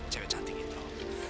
cewek cantik itu